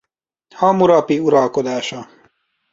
Hammurapi uralkodása.